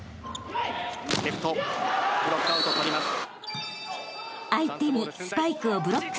レフトブロックアウトをとります。